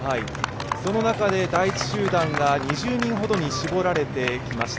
その中で第１集団が２０人ほどに絞られてきました。